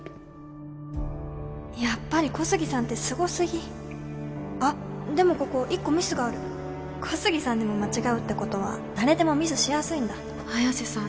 やっぱり小杉さんってすごすぎあっでもここ１個ミスがある小杉さんでも間違うってことは誰でもミスしやすいんだ早瀬さん